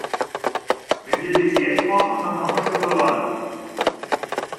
Wenn wir das jetzt machen, dann haben wir schon verloren.